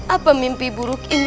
apa mimpi buruk ini